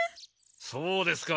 そうですか。